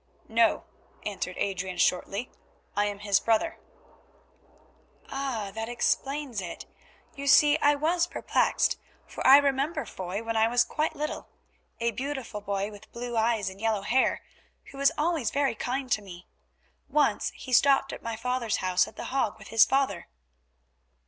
"No," answered Adrian, shortly, "I am his brother." "Ah! that explains it. You see I was perplexed, for I remember Foy when I was quite little; a beautiful boy, with blue eyes and yellow hair, who was always very kind to me. Once he stopped at my father's house at The Hague with his father."